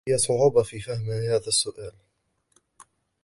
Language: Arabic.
لدي صعوبة في فهم هذا السؤال.